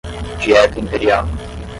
Dieta imperial